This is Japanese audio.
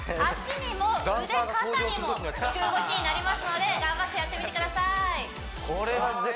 脚にも腕肩にもきく動きになりますので頑張ってやってみてください